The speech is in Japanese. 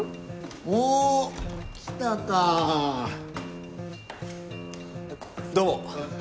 ・おっ来たか・どうも。